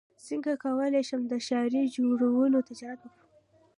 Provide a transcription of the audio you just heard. څنګه کولی شم د ښارۍ جوړولو تجارت وکړم